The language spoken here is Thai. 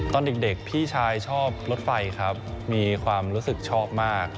ตอนเด็กพี่ชายชอบรถไฟครับมีความรู้สึกชอบมาก